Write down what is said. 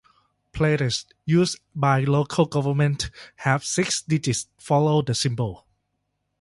Plates used by local government have six digits following the symbol.